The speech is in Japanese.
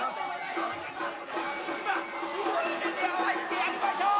ひどい目に遭わしてやりましょう。